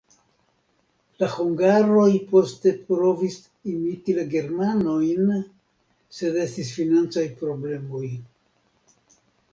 La hungaroj poste provis imiti la germanojn, sed estis financaj problemoj.